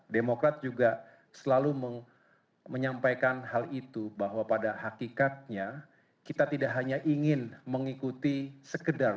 demokrat juga selalu menyampaikan hal itu bahwa pada hakikatnya kita tidak hanya ingin mengikuti sekedar